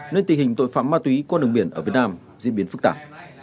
nên tình hình tội phạm ma túy qua đường biển ở việt nam diễn biến phức tạp